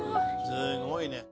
「すごいね！」